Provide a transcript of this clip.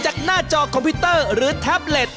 จากหน้าจอคอมพิวเตอร์หรือแท็บเล็ต